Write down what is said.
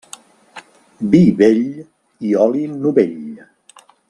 Vi vell i oli novell.